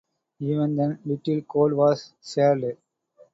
Even then, little code was shared.